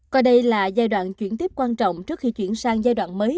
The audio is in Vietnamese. coi đây là giai đoạn chuyển tiếp quan trọng trước khi chuyển sang giai đoạn mới